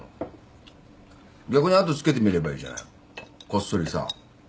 逆に後つけてみればいいじゃない。こっそりさ。